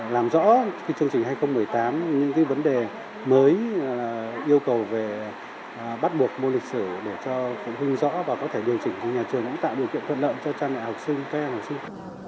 làm rõ khi chương trình hai nghìn một mươi tám những vấn đề mới yêu cầu về bắt buộc môn lịch sử để cho huynh rõ và có thể điều chỉnh nhà trường cũng tạo điều kiện thuận lợi cho trai mẹ học sinh trai mẹ học sinh